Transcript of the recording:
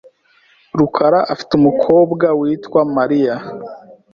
rukara afite umukobwa witwa Mariya .